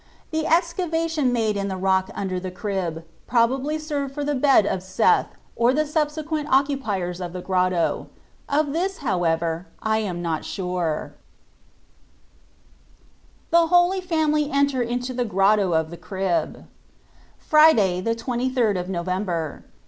The excava tion made in the rock under the crib probably served for the bed of Seth, or the subsequent occupiers of the grotto. Of this, however, I am not sure. 76 TTbe 1ftativnt of THE HOLY FAMILY ENTER INTO THE GROTTO OF THE CRIB. FRIDAY, the 23rd of November.